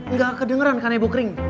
enggak kedengeran kan nebo kering